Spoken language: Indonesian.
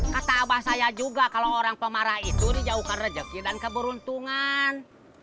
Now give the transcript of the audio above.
kata abah saya juga kalau orang pemarah itu dijauhkan rezeki dan keberuntungan